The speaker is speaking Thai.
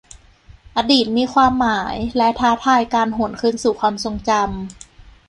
อดีตมีความหมายและท้าทายการหวนคืนสู่ความทรงจำ